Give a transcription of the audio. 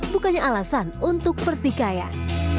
bukannya alasan untuk pertikaian